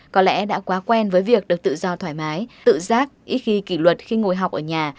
có lẽ đã quá quen với việc được tự do thoải mái tự giác ít khi kỷ luật khi ngồi học ở nhà